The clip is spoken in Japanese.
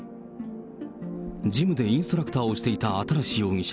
ジムでインストラクターをしていた新容疑者。